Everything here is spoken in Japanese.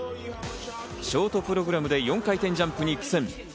ショートプログラムで４回転ジャンプに苦戦。